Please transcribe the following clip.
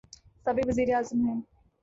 سابق وزیر اعظم ہیں۔